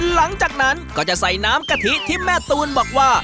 หลังจากนั้นก็จะใส่น้ำกะทิที่แม่ตูนบอกว่า